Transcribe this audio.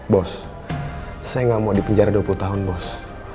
bos saya nggak mau dipenjara dua puluh tahun bos